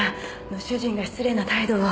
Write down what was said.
主人が失礼な態度を。